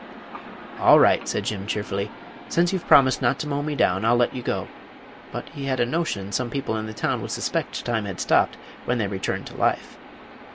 "All right," said Jim, cheerfully, "since you've promised not to mow me down, I'll let you go." But he had a notion some people in the town would suspect Time had stopped when they returned to life.